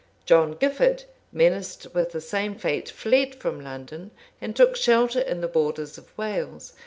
[*] John Gifford, menaced with the same fate, fled from London, and took shelter in the borders of Wales.